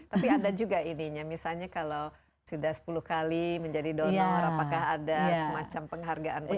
tapi ada juga ininya misalnya kalau sudah sepuluh kali menjadi donor apakah ada semacam penghargaan